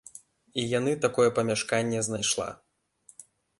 І яны такое памяшканне знайшла.